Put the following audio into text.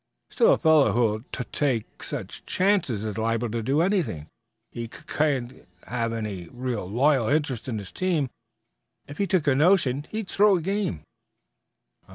"Still a fellow who'll tut take such chances is liable to do anything. He cuc can't have any real loyal interest in his team. If he took a notion, he'd throw a game."